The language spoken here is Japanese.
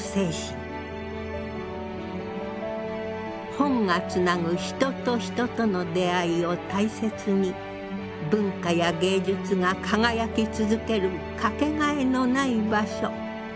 本がつなぐ人と人との出会いを大切に文化や芸術が輝き続ける掛けがえのない場所。